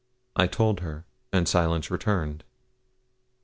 I told her, and silence returned.